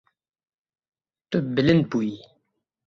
Tu bilind bûyî.